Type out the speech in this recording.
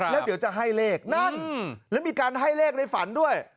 แล้วเดี๋ยวจะให้เลขนั่นแล้วมีการให้เลขในฝันด้วย